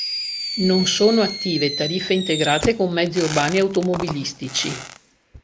Non sono attive tariffe integrate con mezzi urbani automobilistici.